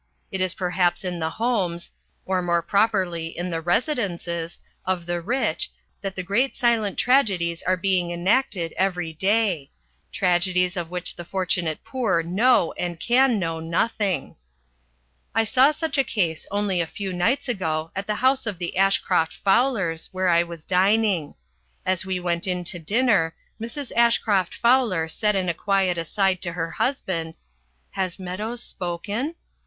It is perhaps in the homes, or more properly in the residences, of the rich that the great silent tragedies are being enacted every day tragedies of which the fortunate poor know and can know nothing. I saw such a case only a few nights ago at the house of the Ashcroft Fowlers, where I was dining. As we went in to dinner, Mrs. Ashcroft Fowler said in a quiet aside to her husband, "Has Meadows spoken?"